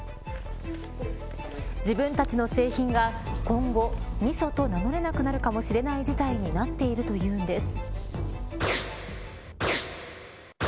自分たちの製品が今後、みそと名乗れなくなるかもしれない事態になっているというんです。